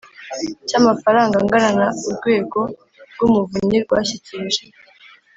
cy amafaranga angana na Urwego rw Umuvunyi rwashyikirije